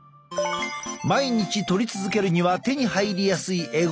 毎日とり続けるには手に入りやすいえ